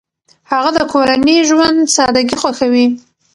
هغه د کورني ژوند سادګي خوښوي.